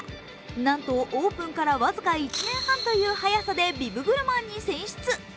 なんと、オープンから僅か１年半という早さでビブグルマンに選出。